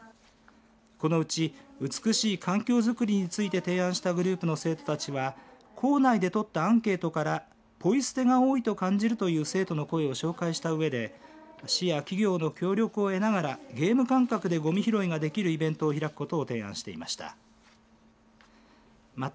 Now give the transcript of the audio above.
このうち美しい環境づくりについて提案したグループの生徒たちは校内でとったアンケートからぽい捨てが多いと感じるという生徒の声を紹介したうえで市や企業の協力を得ながらゲーム感覚でごみ拾いができるイベントを開くことを提案していました。